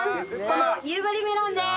この夕張メロンです！